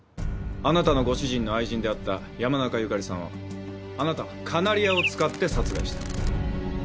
あなたのご主人の愛人であった山中由佳里さんをあなたはカナリアを使って殺害した。